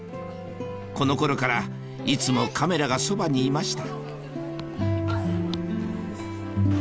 この頃からいつもカメラがそばにいました